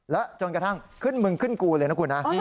แล้วจนกระทั่งขึ้นมึงขึ้นกูเลยนะคุณนะ